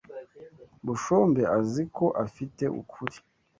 Bushombe azi ko afite ukuri